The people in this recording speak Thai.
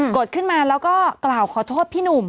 ดขึ้นมาแล้วก็กล่าวขอโทษพี่หนุ่ม